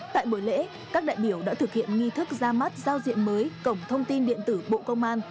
tại buổi lễ các đại biểu đã thực hiện nghi thức ra mắt giao diện mới cổng thông tin điện tử bộ công an